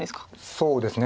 そうですね。